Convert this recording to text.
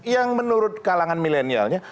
yang menurut kalangan milenialnya